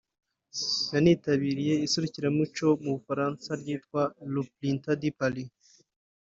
nanitabiriye iserukiramuco mu Bufaransa ryitwa le printemps du Paris